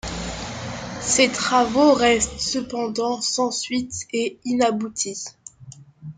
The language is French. Ses travaux restent cependant sans suite et inaboutis.